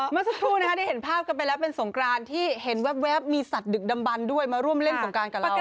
เมื่อสัปดาห์ที่เห็นภาพกันไปแล้วเป็นสงครานที่เห็นแว๊บมีสัตว์ดึกดำบันด้วยมาร่วมเล่นสงครานกับเรา